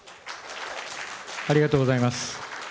ありがとうございます。